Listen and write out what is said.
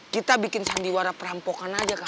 kita bikin sandiwara perampokan aja